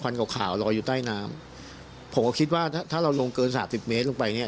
ขาวขาวลอยอยู่ใต้น้ำผมก็คิดว่าถ้าถ้าเราลงเกินสามสิบเมตรลงไปเนี้ย